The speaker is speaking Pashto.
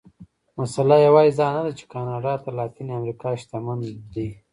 مسئله یوازې دا نه ده چې کاناډا تر لاتینې امریکا شتمن دي.